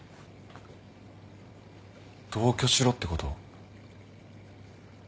同居しろってこと？